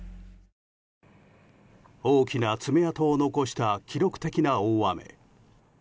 大きな爪痕を残した記録的な大雨。